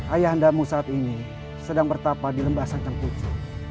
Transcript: ayahandamu saat ini sedang bertapa di lembah sang cengkucu